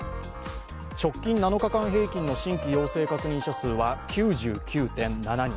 直近７日間平均の新規陽性者数は９９．７人。